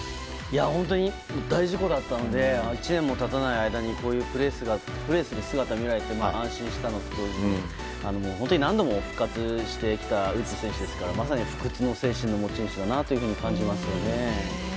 本当に大事故だったので１年も経たない間にこういうプレーする姿を見られて安心したのと何度も復活してきたウッズ選手ですからまさに不屈の精神の持ち主だなと思います。